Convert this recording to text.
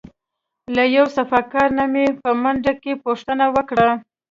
له یو صفاکار نه مې په منډه کې پوښتنه وکړه.